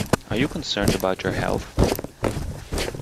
Are you concerned about your health?